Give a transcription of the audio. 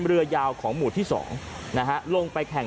เฮ้ยเฮ้ยเฮ้ยเฮ้ย